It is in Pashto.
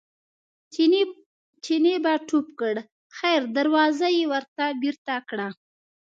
چیني به ټوپ کړ خیر دروازه یې ورته بېرته کړه.